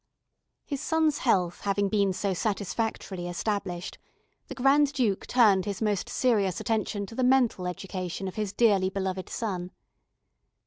His son's health having been so satisfactorily established, the Grand Duke turned his most serious attention to the mental education of his dearly beloved son.